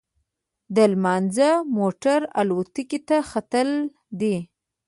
لمانځه، موټر او الوتکې ته ختل دي.